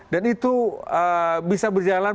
dan itu bisa berjalan